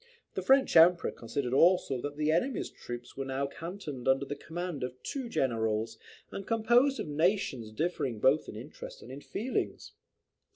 The French Emperor considered also that "the enemy's troops were now cantoned under the command of two generals, and composed of nations differing both in interest and in feelings."